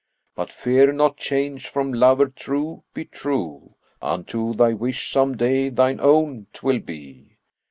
But fear not change from lover true; be true * Unto thy wish, some day thine own 'twill be.